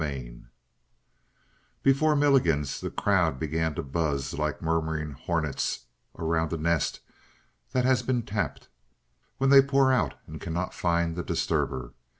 18 Before Milligan's the crowd began to buzz like murmuring hornets around a nest that has been tapped, when they pour out and cannot find the disturber.